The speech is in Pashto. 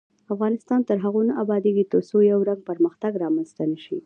افغانستان تر هغو نه ابادیږي، ترڅو یو رنګی پرمختګ رامنځته نشي.